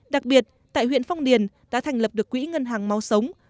đặc biệt tại huyện phong điền đã thành lập được quỹ ngân hàng máu sống